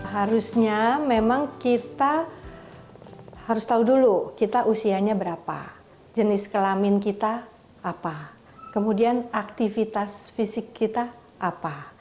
harusnya memang kita harus tahu dulu kita usianya berapa jenis kelamin kita apa kemudian aktivitas fisik kita apa